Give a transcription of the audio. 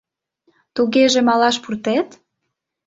Тугеже малаш пуртет?